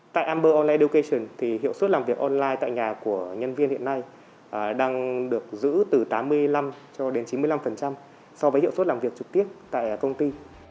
tại amber onlineucation thì hiệu suất làm việc online tại nhà của nhân viên hiện nay đang được giữ từ tám mươi năm cho đến chín mươi năm so với hiệu suất làm việc trực tiếp tại công ty